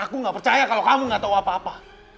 aku gak percaya kalo kamu gak tau apa apa